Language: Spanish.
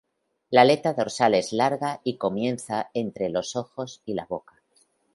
La aleta dorsal es larga y comienza entre los ojos y la boca.